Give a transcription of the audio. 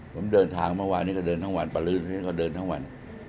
ผมเดินทางเมื่อวานี้ก็เดินทั้งวันประลื้นเพราะฉะนั้นก็เดินทั้งวัน